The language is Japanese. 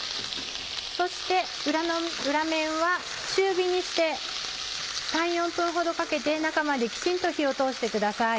そして裏面は中火にして３４分ほどかけて中まできちんと火を通してください。